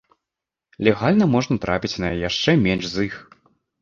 Легальна можна трапіць на яшчэ менш з іх.